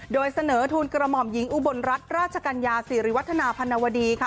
โดยเสนอทุนกระหม่อมหญิงอุบลรัฐราชกัญญาสิริวัฒนาพันวดีค่ะ